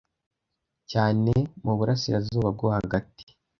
cyane muburasirazuba bwo hagati.